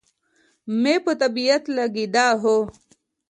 مې په طبیعت لګېده، هو.